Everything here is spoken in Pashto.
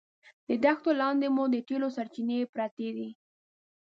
د دښتو لاندې مو د تېلو سرچینې پرتې دي.